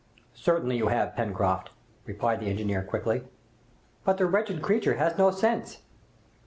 "Certainly you have, Pencroft," replied the engineer quickly. "But the wretched creature has no sense!"